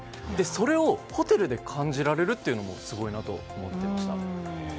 それをホテルで感じられるのもすごいなと思いました。